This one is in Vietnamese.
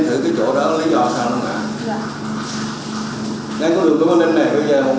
cô quyền phải bị chóng và đường trần hướng đạo ạ